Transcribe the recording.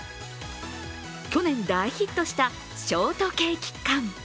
去年大ヒットしたショートケーキ缶。